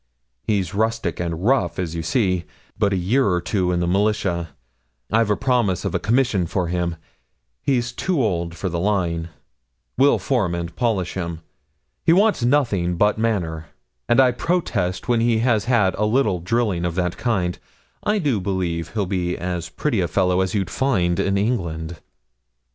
He's rustic and rough, as you see; but a year or two in the militia I've a promise of a commission for him he's too old for the line will form and polish him. He wants nothing but manner; and I protest when he has had a little drilling of that kind, I do believe he'll be as pretty a fellow as you'd find in England.'